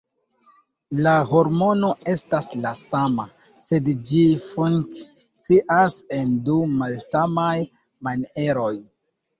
La hormono estas la sama, sed ĝi funkcias en du malsamaj manieroj.